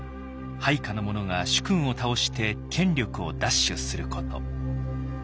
配下の者が主君を倒して権力を奪取すること。